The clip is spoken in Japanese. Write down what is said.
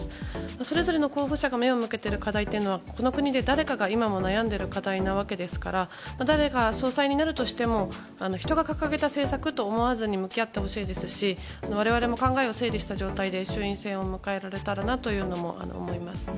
それぞれの候補者が目を向けている課題というのはこの国で誰かが今も悩んでいる課題なので誰が総裁になるとしても人が掲げた政策と思わずに向き合ってほしいですし我々も考えを整理した状態で衆院選を迎えられたらなと思います。